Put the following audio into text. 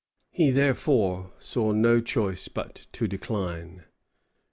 ] He therefore saw no choice but to decline.